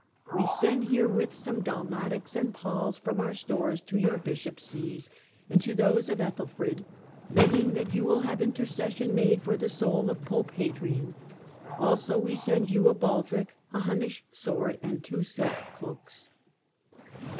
We send herewith some dalmatics and palls from our store to your bishops' sees, and to those of Ethelfrid, begging that you will have intercession made for the soul of Pope Hadrian ; also we send you a baldric, a Hunnish sword and two silk cloaks."